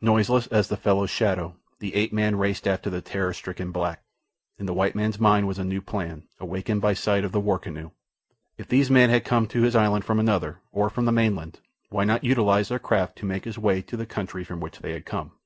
Noiseless as the fellow's shadow, the ape man raced after the terror stricken black. In the white man's mind was a new plan, awakened by sight of the war canoe. If these men had come to his island from another, or from the mainland, why not utilize their craft to make his way to the country from which they had come?